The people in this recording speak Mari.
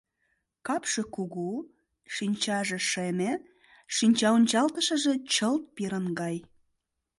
Капше кугу, шинчаже шеме, шинчаончалтышыже чылт пирын гай.